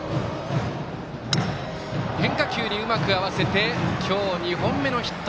変化球にうまく合わせて今日２本目のヒット。